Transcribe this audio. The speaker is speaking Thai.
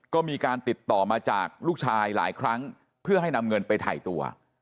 ก็มีการติดต่อมาจากลูกชายหลายครั้งเพื่อให้นำเงินไปถ่ายตัว